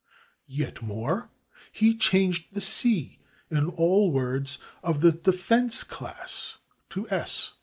Yet more, he changed the /c/ in all words of the /defence/ class to /s